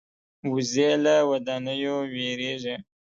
وزې له ودانیو وېرېږي